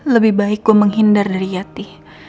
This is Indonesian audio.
lebih baik gue menghindar dari yanti